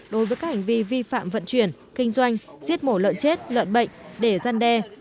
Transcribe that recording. đối với các hành vi vi phạm vận chuyển kinh doanh giết mổ lợn chết lợn bệnh để gian đe